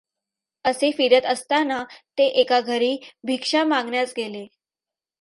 असे फिरत असतांना ते एका घरी भिक्षा मागण्यास गेले.